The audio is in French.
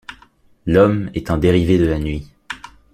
L’homme est un dérivé de la nuit.